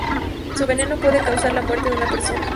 Su veneno puede causar la muerte de una persona.